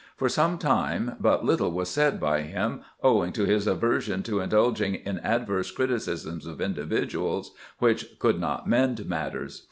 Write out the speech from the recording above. For some time but little was said by him, owing to his aversion to indulging in adverse criticisms of individuals, which could not mend matters.